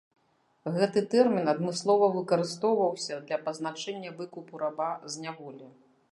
Гэты тэрмін адмыслова выкарыстоўваўся для пазначэння выкупу раба з няволі.